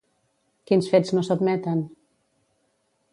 Quins fets no s'admeten?